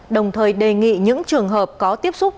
đồng thời đề nghị những trường hợp có tiếp xúc